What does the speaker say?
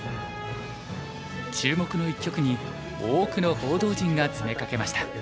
注目の一局に多くの報道陣が詰めかけました。